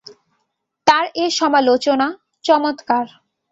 তার এ সমালোচনা চমৎকার।